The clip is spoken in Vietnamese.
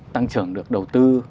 tăng trưởng được đầu tư